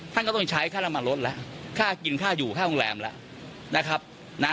ท่านก็ต้องใช้ค่าน้ำมันลดแล้วค่ากินค่าอยู่ค่าโรงแรมแล้วนะครับนะ